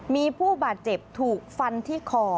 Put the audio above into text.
มีผู้บาดเจ็บถูกฟันที่คอ